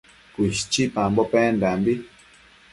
Cuishchipambo pendambi